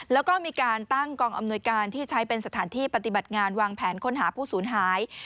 แล้วก็มีการตั้งกองอำนวยการที่ใช้เป็นสถานที่ปฏิบัติงานวางแผนค้นหาผู้สูญหาย